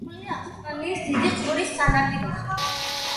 გაშენებულია ავსტრალიის დიდი ყურის სანაპიროზე.